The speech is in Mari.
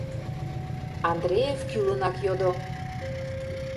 — Андреев кӱлынак йодо.